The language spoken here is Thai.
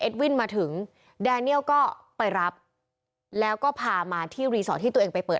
วินมาถึงแดเนียลก็ไปรับแล้วก็พามาที่รีสอร์ทที่ตัวเองไปเปิด